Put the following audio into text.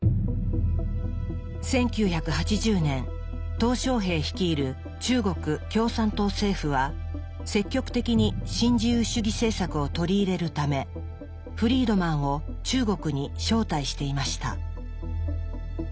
１９８０年小平率いる中国共産党政府は積極的に新自由主義政策を取り入れるためフリードマンを中国に招待していました。